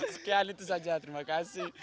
sekalian itu saja terima kasih